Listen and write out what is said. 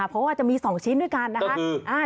เพราะว่าจะมี๒ชิ้นด้วยกันนะคะ